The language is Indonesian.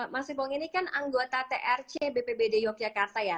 mas ipong ini kan anggota trc bpbd yogyakarta ya